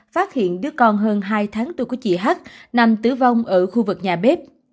phát hiện đứa con hơn hai tháng tuổi của chị h nằm tử vong ở khu vực nhà bếp